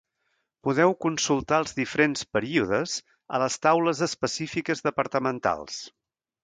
Podeu consultar els diferents períodes a les taules específiques departamentals.